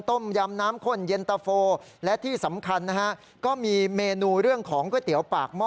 ต้มยำน้ำข้นเย็นตะโฟและที่สำคัญนะฮะก็มีเมนูเรื่องของก๋วยเตี๋ยวปากหม้อ